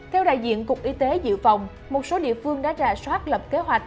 theo đại diện cục y tế dự phòng một số địa phương đã rà soát lập kế hoạch